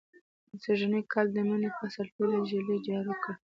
سږنی کال د مني فصل ټول ږلۍ جارو کړ.